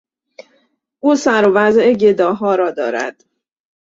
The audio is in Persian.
او سر و وضع گداها را دارد.